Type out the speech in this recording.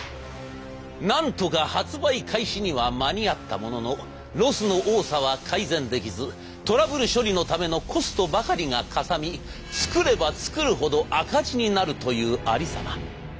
なんとか発売開始には間に合ったもののロスの多さは改善できずトラブル処理のためのコストばかりがかさみ「作れば作るほど赤字になる」というありさま。